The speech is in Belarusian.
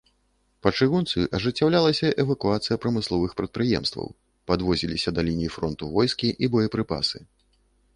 Па чыгунцы ажыццяўлялася эвакуацыя прамысловых прадпрыемстваў, падвозіліся да лініі фронту войскі і боепрыпасы.